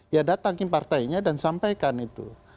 ya datangin partainya dan sampaikan itu